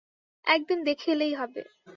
এক দিন দেখে এলেই হবে।